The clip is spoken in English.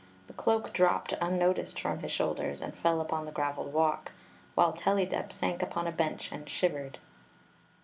The cloak dropped unnoticed from his shoul ders and fell upon the graveled walk, while Tellydeb sank upon a bench and shivered.